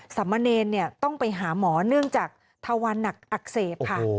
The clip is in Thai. สามเณรต้องไปหาหมอเนื่องจากทวันหนักอักเสบค่ะ